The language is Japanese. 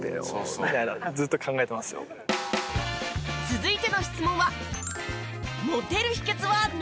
続いての質問は。